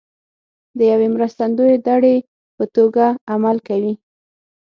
د یوې مرستندویه دړې په توګه عمل کوي